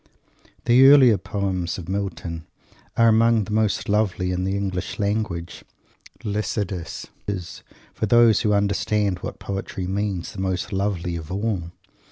The earlier poems of Milton are among the most lovely in the English language. Lycidas is, for those who understand what poetry means, the most lovely of all.